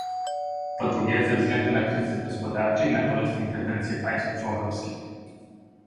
Po drugie, ze względu na kryzys gospodarczy i na bolesne interwencje państw członkowskich